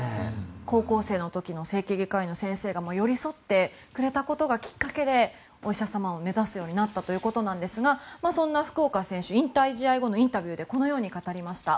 高校生の時の整形外科医の先生が寄り添ってくれたことがきっかけでお医者様を目指すようになったということなんですがそんな福岡選手引退試合後のインタビューでこのように語りました。